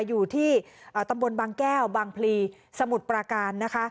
อยู่ที่ตำบลบางแก้วบางพลีสมุทรปราการนะคะ